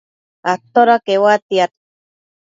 atoda queuatiad?